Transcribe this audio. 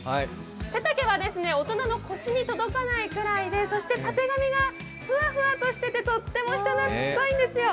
背丈は大人の腰に届かないくらいでそしてたてがみがフワフワとしてて、とっても人懐こいんですよ。